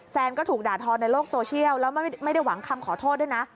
ก็ถูกด่าทอในโลกโซเชียลแล้วไม่ได้หวังคำขอโทษด้วยนะ